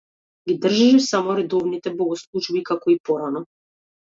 Ги држеше само редовните богослужби, како и порано.